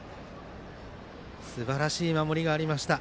すばらしい守りがありました。